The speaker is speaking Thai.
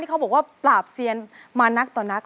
เขาบอกว่าปราบเซียนมานักต่อนัก